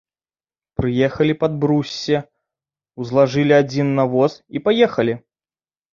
Прыехалі пад бруссе, узлажылі адзін на воз і паехалі.